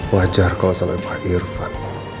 wajar kalau sama pak irfan